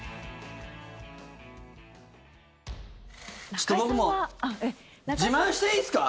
ちょっと僕も自慢していいっすか？